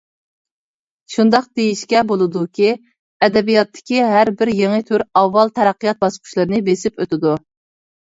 شۇنداق دېيىشكە بولىدۇكى، ئەدەبىياتتىكى ھەر بىر يېڭى تۈر ئاۋۋال تەرەققىيات باسقۇچلىرىنى بېسىپ ئۆتىدۇ.